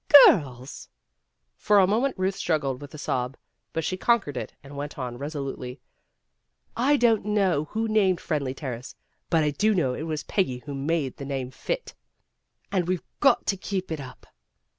'* Girls !'' for a moment Ruth struggled with a sob, but she conquered it and went on res olutely, "I don't know who named Friendly Terrace, but I do know it was Peggy who made the name fit. And we've got to keep it up.